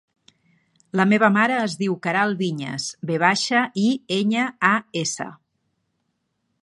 La meva mare es diu Queralt Viñas: ve baixa, i, enya, a, essa.